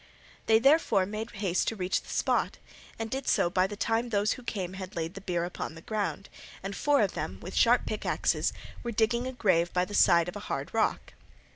They therefore made haste to reach the spot, and did so by the time those who came had laid the bier upon the ground, and four of them with sharp pickaxes were digging a grave by the side of a hard rock.